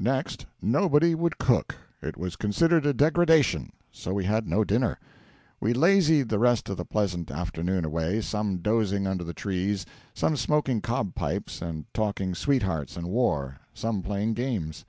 Next, nobody would cook; it was considered a degradation; so we had no dinner. We lazied the rest of the pleasant afternoon away, some dozing under the trees, some smoking cob pipes and talking sweethearts and war, some playing games.